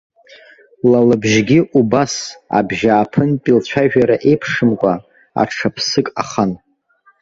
Ла лыбжьгьы убас, абжьааԥынтәи лцәажәара еиԥшымкәа, аҽа ԥсык ахан.